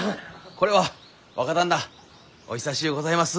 これは若旦那お久しゅうございます。